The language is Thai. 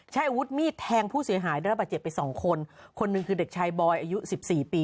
ใช้อาวุธมีดแทงผู้เสียหายได้รับบาดเจ็บไปสองคนคนหนึ่งคือเด็กชายบอยอายุสิบสี่ปี